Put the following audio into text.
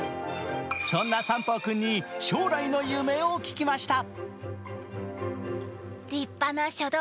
そんな三宝君に将来の夢を聞きました。